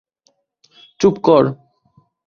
চুপ কর।